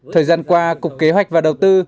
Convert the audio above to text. thời gian qua cục kế hoạch và đầu tư